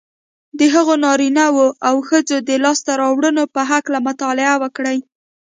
د هغو نارینهوو او ښځو د لاسته رواړنو په هکله مطالعه وکړئ